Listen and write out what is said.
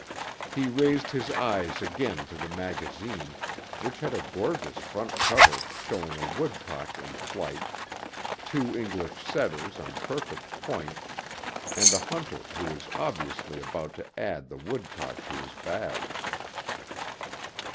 He raised his eyes again to the magazine, which had a gorgeous front cover showing a woodcock in flight, two English setters on perfect point and a hunter who was obviously about to add the woodcock to his bag.